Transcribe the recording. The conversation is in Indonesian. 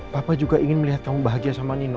papa juga ingin melihat kamu bahagia sama nino